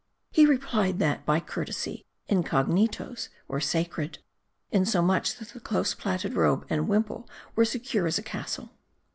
He replied that, by courtesy, incognitos were sacred. Insomuch that the close plaited robe and the wimple were secure as a castle.